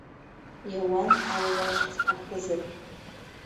Иауан ари ихьӡ ахызаргь!